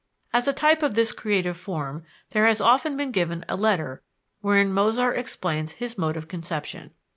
As a type of this creative form there has often been given a letter wherein Mozart explains his mode of conception.